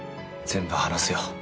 全部話すよ。